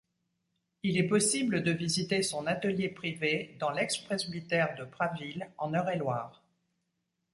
Il est possible de visiter son atelier privé dans l'ex-presbytère de Prasville en Eure-et-Loir.